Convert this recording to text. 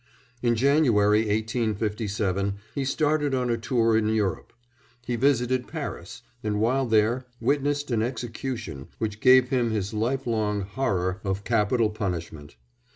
In January 1857 he started on a tour in Europe; he visited Paris, and, while there, witnessed an execution which gave him his life long horror of capital punishment.